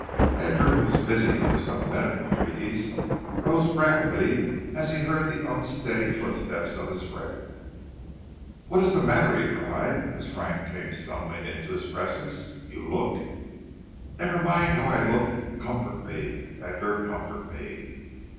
Edgar, who was busy over some medical treatise, rose rapidly as he heard the unsteady footsteps of his friend. "What is the matter?" he cried, as Frank came stumbling into his presence. "You look " "Never mind how I look; comfort me, Edgar, comfort me!"